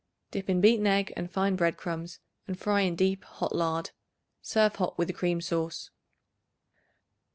Dip in beaten egg and fine bread crumbs and fry in deep hot lard. Serve hot with a cream sauce.